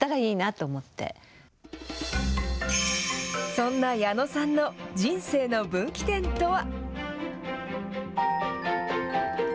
そんな矢野さんの人生の分岐点とは。